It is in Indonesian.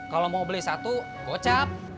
kalau mau beli satu gocap